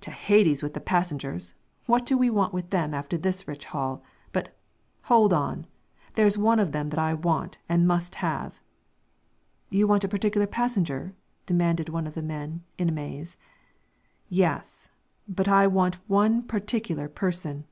"To Hades with the passengers! What do we want with them after this rich haul? But, hold on! There is one of them that I want and must have." "You want a particular passenger?" demanded one of the men, in amaze. "Yes, I want but one particular person."